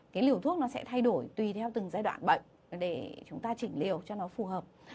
cái liều thuốc nó sẽ thay đổi tùy theo từng giai đoạn bệnh để chúng ta chỉnh liều cho nó phù hợp